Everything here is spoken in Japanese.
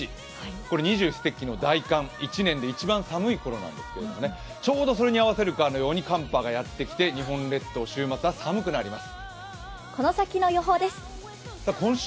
二十四節気の大寒、１年で一番寒い時期なんですけどちょうどそれに合わせるかのように寒波がやってきて日本列島、週末は寒くなります。